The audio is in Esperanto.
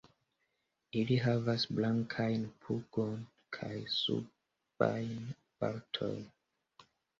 Ili havas blankajn pugon kaj subajn partojn.